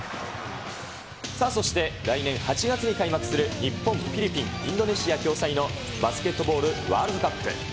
さあ、そして来年８月に開幕する日本、フィリピン、インドネシア共催のバスケットボールワールドカップ。